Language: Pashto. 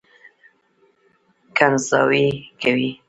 کنځاوې کوي.